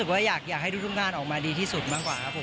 ว่าอยากยังให้ด้วยนานออกมาดีที่สุดมากกว่าแล้ว